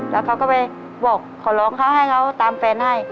แล้วเขาก็ไปบอกขอร้องเขาให้เขาตามแฟนให้